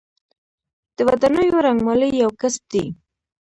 د ودانیو رنګمالي یو کسب دی